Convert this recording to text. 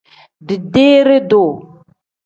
Dideere-duu.